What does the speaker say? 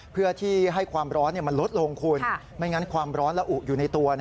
เพื่อที่ให้ความร้อนมันลดลงคุณไม่งั้นความร้อนละอุอยู่ในตัว